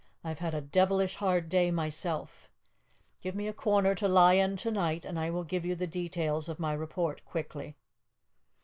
"I have had a devilish hard day myself. Give me a corner to lie in to night, and I will give you the details of my report quickly."